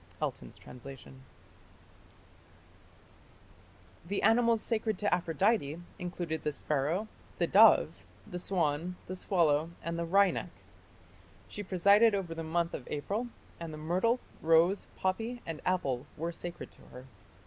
Elton's translation. The animals sacred to Aphrodite included the sparrow, the dove, the swan, the swallow, and the wryneck. She presided over the month of April, and the myrtle, rose, poppy, and apple were sacred to her.